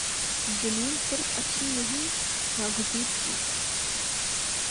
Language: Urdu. جنون صرف اچھی نہیں ناگزیر چیز ہے۔